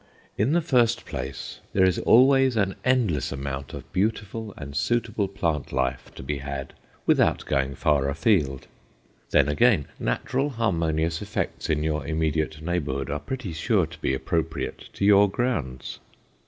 In the first place, there is always an endless amount of beautiful and suitable plant life to be had without going far afield. Then again, natural harmonious effects in your immediate neighborhood are pretty sure to be appropriate to your grounds.